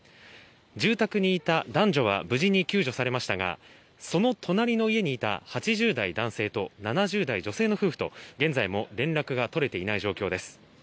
住宅にいた男女は無事に救助されましたがその隣の家にいた８０代男性と７０代女性の夫婦と現在も連絡が取れていない状況です。